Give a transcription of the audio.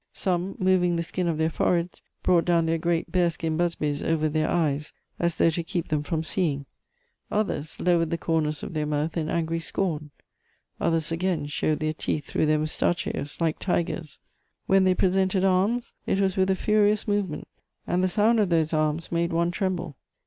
Some, moving the skin of their foreheads, brought down their great bear skin busbies over their eyes, as though to keep them from seeing; others lowered the corners of their mouth in angry scorn; others again showed their teeth through their mustachios, like tigers. When they presented arms, it was with a furious movement, and the sound of those arms made one tremble.